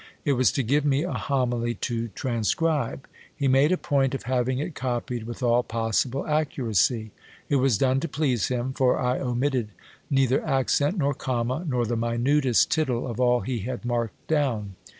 It was to give me a homily to transcribe. He made a point of having it copied with all possible accuracy. It was done to please him ; for I omitted neither accent, nor comma, nor the minutest tittle of all he had marked down.